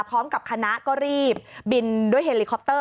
พร้อมกับคณะก็รีบบินด้วยเฮลิคอปเตอร์